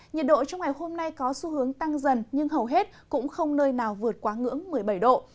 nhiệt độ trong ngày hôm nay có xu hướng tăng dần nhưng hầu hết cũng không nơi nào vượt quá ngưỡng một mươi bảy độ